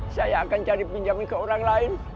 saya akan cari pinjaman ke orang lain